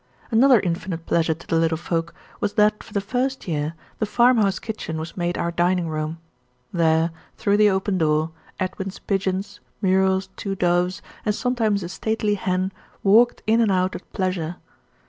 Another infinite pleasure to the little folk was that for the first year, the farm house kitchen was made our dining room. There, through the open door, Edwin's pigeons, Muriel's two doves, and sometimes a stately hen, walked in and out at pleasure.